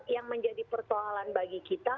yang menjadi persoalan bagi kita